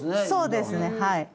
そうですねはい。